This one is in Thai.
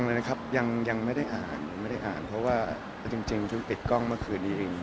กระแสวิธาปุจัยเอาตรงเลยนะครับยังไม่ได้อ่านเพราะว่าจริงติดกล้องเมื่อคืนนี้เอง